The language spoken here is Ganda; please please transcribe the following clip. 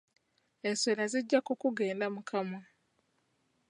Enswera zijja kukugenda mu kamwa